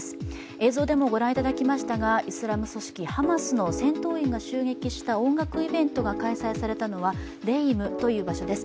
映像でも御覧いただきましたがイスラム組織ハマスの戦闘員が襲撃した音楽イベントが開催されたのはレイムという場所です